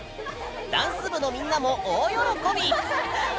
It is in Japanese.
ダンス部のみんなも大喜び！